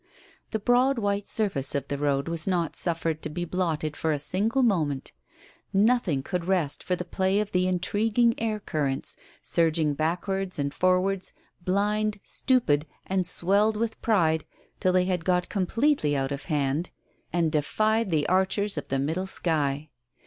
The broad white surface of the road was not suffered to be blotted for a single moment. Nothing could rest for the play of the intriguing air currents, surging backwards and forwards, blind, stupid k 2 131 Digitized by Google 132 TALES OF THE UNEASY and swelled with pride, till they had got completely out of hand and defied the archers of the middle sky.